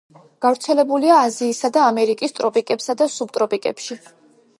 გავრცელებულია აზიისა და ამერიკის ტროპიკებსა და სუბტროპიკებში.